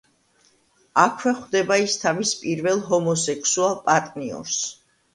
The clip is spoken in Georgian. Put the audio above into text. აქვე ხვდება ის თავის პირველ ჰომოსექსუალ პარტნიორს.